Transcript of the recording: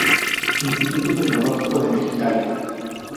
Instituto Tecnológico de Mexicali